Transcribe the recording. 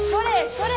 それ！